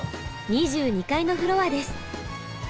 ２２階のフロアです。